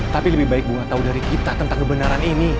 tapi lebih baik bunga tahu dari kita tentang kebenaran ini